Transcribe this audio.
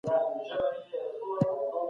ته باید په خپلو خبرو کي صادق و اوسي.